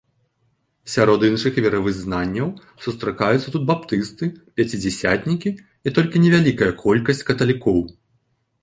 Сярод іншых веравызнанняў сустракаюцца тут баптысты, пяцідзясятнікі і толькі невялікая колькасць каталікоў.